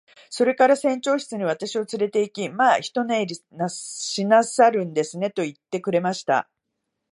それから船長室に私をつれて行き、「まあ一寝入りしなさるんですね。」と言ってくれました。